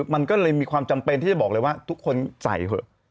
มันก็เลยมีความจำเป็นที่จะบอกเลยว่าทุกคนใส่เถอะ